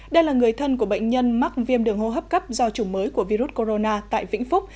đây là người thân của bệnh nhân mắc viêm đường hô hấp cấp do chủng mới của virus corona tại vĩnh phúc